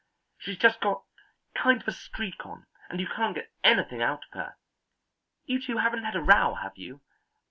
She's just got kind of a streak on and you can't get anything out of her. You two haven't had a row, have you?